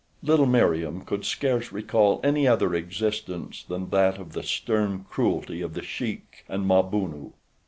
Little Meriem could scarce recall any other existence than that of the stern cruelty of The Sheik and Mabunu.